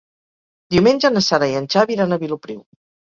Diumenge na Sara i en Xavi iran a Vilopriu.